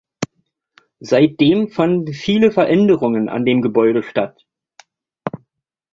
Seitdem fanden viele Veränderungen an dem Gebäude statt.